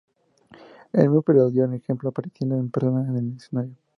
El mismo emperador dio ejemplo apareciendo en persona en el escenario.